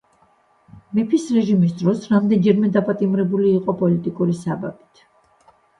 მეფის რეჟიმის დროს რამდენჯერმე დაპატიმრებული იყო პოლიტიკური საბაბით.